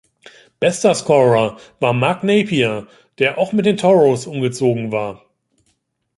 Bester Scorer war Mark Napier der auch mit den Toros umgezogen war.